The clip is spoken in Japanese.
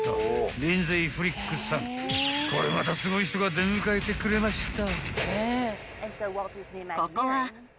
［これまたすごい人が出迎えてくれました］